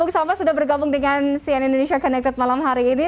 bung sama sudah bergabung dengan cn indonesia connected malam hari ini